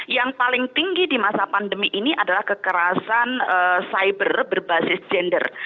yang paling tinggi di masa pandemi ini adalah kekerasan cyber berbasis gender